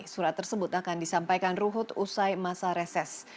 surat tersebut akan disampaikan ruhut usai masa reses